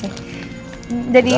diambil aja kembali nih